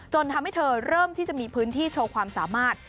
ทำให้เธอเริ่มที่จะมีพื้นที่โชว์ความสามารถ